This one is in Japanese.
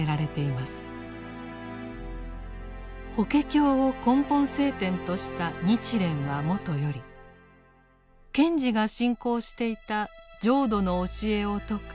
法華経を根本聖典とした日蓮はもとより賢治が信仰していた浄土の教えを説く